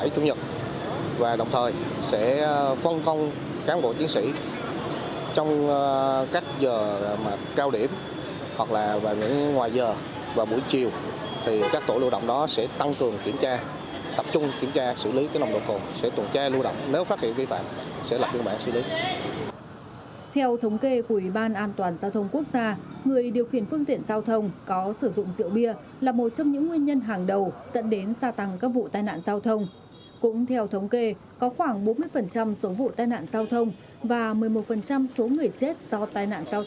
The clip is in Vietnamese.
cũng theo thống kê có khoảng bốn mươi số vụ tai nạn giao thông và một mươi một số người chết do tai nạn giao thông có liên quan đến việc sử dụng rượu bia